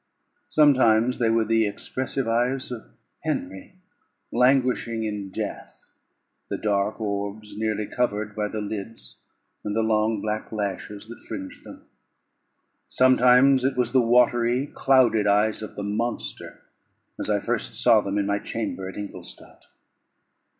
Sometimes they were the expressive eyes of Henry, languishing in death, the dark orbs nearly covered by the lids, and the long black lashes that fringed them; sometimes it was the watery, clouded eyes of the monster, as I first saw them in my chamber at Ingolstadt.